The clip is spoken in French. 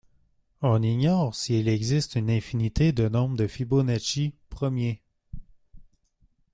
On ignore s'il existe une infinité de nombres de Fibonacci premiers.